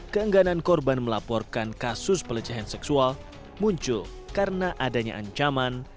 keengganan korban melaporkan kasus pelecehan seksual muncul karena adanya ancaman